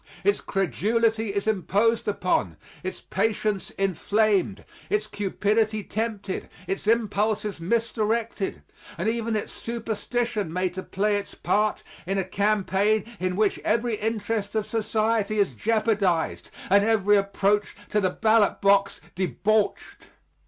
Its credulity is imposed upon, its patience inflamed, its cupidity tempted, its impulses misdirected and even its superstition made to play its part in a campaign in which every interest of society is jeopardized and every approach to the ballot box debauched.